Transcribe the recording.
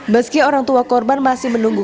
meski orang tua korban masih menunggu